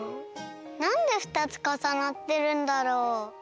なんで２つかさなってるんだろう？